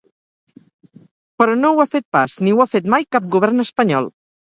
Però no ho ha fet pas, ni ho ha fet mai cap govern espanyol.